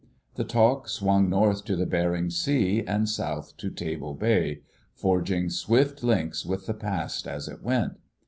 The talk swung north to the Bering Sea and south to Table Bay, forging swift links with the past as it went.